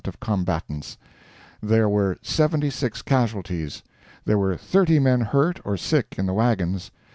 of combatants. There were 76 casualties. There were 30 men hurt or sick in the wagons.